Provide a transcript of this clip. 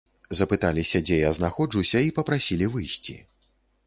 Запыталіся, дзе я знаходжуся, і папрасілі выйсці.